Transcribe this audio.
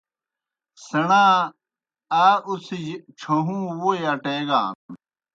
سیْݨا آ اُڅِھجیْ ڇھہُوں ووئی اٹیگان۔